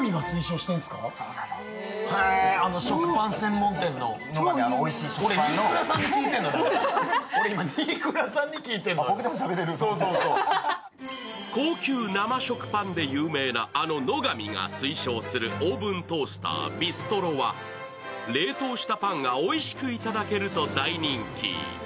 お店の方に伺いながら決めていきましょうか高級生食パンで有名なあの乃が美が推奨するオーブントースター・ビストロは冷凍したパンがおいしくいただけると大人気。